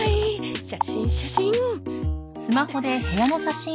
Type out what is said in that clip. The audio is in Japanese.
写真写真！